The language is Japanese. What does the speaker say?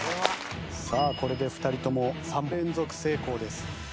さあこれで２人とも３連続成功です。